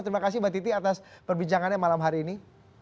terima kasih mbak titi atas perbincangannya malam hari ini